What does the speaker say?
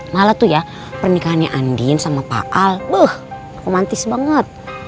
malah tuh ya pernikahannya andin sama pak al wahmantis banget